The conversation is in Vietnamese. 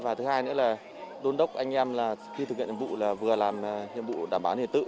và thứ hai nữa là đôn đốc anh em khi thực hiện nhiệm vụ vừa làm nhiệm vụ đảm bảo nền tự